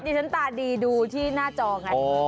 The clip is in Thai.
ดิฉันตาดีดูที่หน้าจอไง